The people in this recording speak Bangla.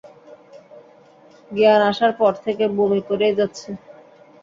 জ্ঞান আসার পর থেকে বমি করেই যাচ্ছে।